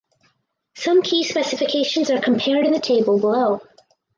Some key specifications are compared in the table below.